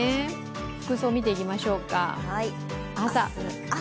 服装を見ていきましょうか、朝。